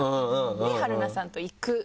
で春菜さんと行く。